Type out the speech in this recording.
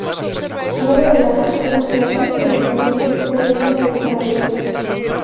Luego de la captura, la pieza del oponente se retira del tablero.